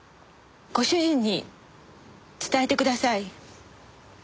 ご主人に伝えてください。